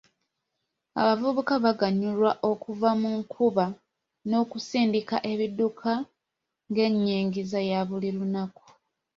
Abavubuka baganyulwa okuva mu nkuba n'okusindika ebidduka ng'enyingiza ya buli lunaku.